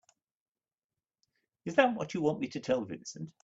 Is that what you want me to tell Vincent?